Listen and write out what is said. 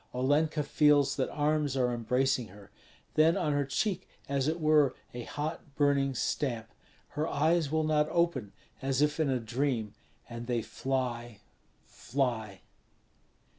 Olenka feels that arms are embracing her; then on her cheek as it were a hot burning stamp. Her eyes will not open, as if in a dream; and they fly, fly.